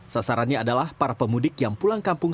sasarannya adalah para pemudik yang pulang kampung